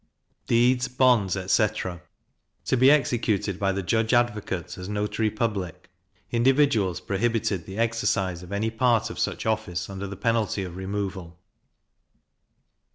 Deeds, Bonds, etc. to be executed by the judge advocate, as notary public: individuals prohibited the exercise of any part of such office, under the penalty of removal.